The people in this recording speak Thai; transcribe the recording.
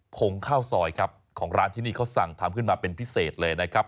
ผงข้าวซอยครับของร้านที่นี่เขาสั่งทำขึ้นมาเป็นพิเศษเลยนะครับ